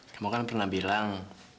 kamu kan pernah bilang